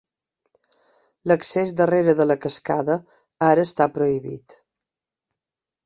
L'accés darrere de la cascada ara està prohibit.